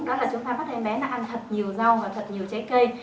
đó là chúng ta bắt em bé ăn thật nhiều rau và thật nhiều trái cây